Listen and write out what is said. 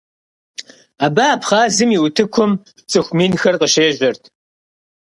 Абы Абхъазым и утыкум цӏыху минхэр къыщежьэрт.